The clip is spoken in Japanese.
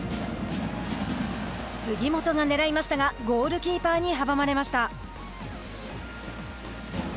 杉本がねらいましたがゴールキーパーに阻まれました。